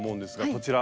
こちら。